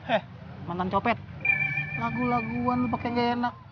eh mantan copet lagu laguan lu pake gak enak